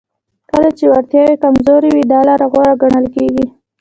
کله چې وړتیاوې کمزورې وي دا لاره غوره ګڼل کیږي